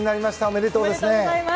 おめでとうですね。